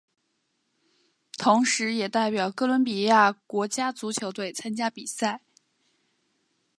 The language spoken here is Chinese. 同时也代表哥伦比亚国家足球队参加比赛。